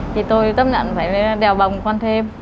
thì tôi tấp nhận phải đèo bồng con thêm